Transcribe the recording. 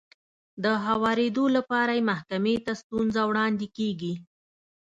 د هوارېدو لپاره يې محکمې ته ستونزه وړاندې کېږي.